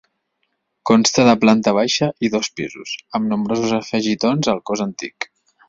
Consta de planta baixa i dos pisos, amb nombrosos afegitons al cos antic.